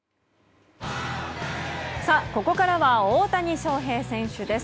ここからは大谷翔平選手です。